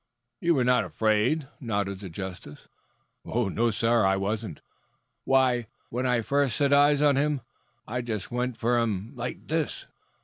"You were not afraid," nodded the justice. "No, sir, I wasn't. Why, when I first set eyes on him, I just went for him like this."